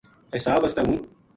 حساب واسطے ہوں